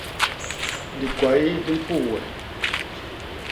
Dikwai di mpuwe.